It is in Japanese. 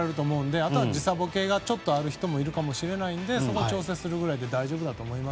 あとは時差ボケがちょっとある人もいるかもしれないのでそこを調整するくらいで大丈夫だと思います。